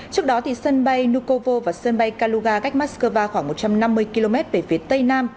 trước đó thì sân bay nukovo và sân bay kaluga cách mắc skơ va khoảng một trăm năm mươi km về phía tây nam